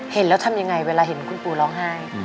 เห็นแล้วทำยังไงเวลาเห็นคุณปู่ร้องไห้